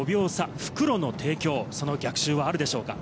復路の帝京、その逆襲はあるでしょうか？